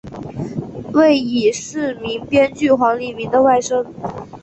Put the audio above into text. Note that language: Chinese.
为已逝名编剧黄黎明的外甥。